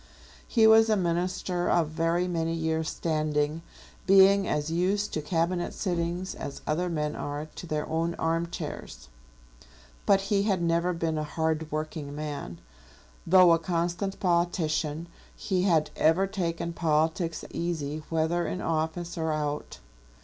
He was a minister of very many years' standing, being as used to cabinet sittings as other men are to their own armchairs; but he had never been a hard working man. Though a constant politician, he had ever taken politics easy whether in office or out.